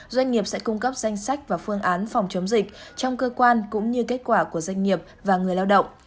doanh nghiệp sẽ cung cấp danh sách và phương án phòng chống dịch trong cơ quan cũng như kết quả của doanh nghiệp và người lao động